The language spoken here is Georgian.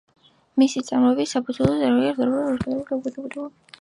მისი ნაწარმოებების საფუძველს წარმოადგენს ქართული ქალაქური ფოლკლორი.